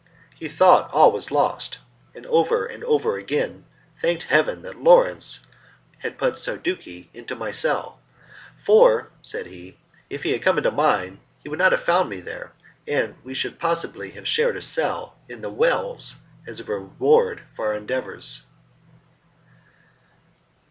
He thought all was lost, and over and over again thanked Heaven that Lawrence had put Soradaci in my cell, "for," said he, "if he had come into mine, he would not have found me there, and we should possibly have shared a cell in The Wells as a reward for our endeavours."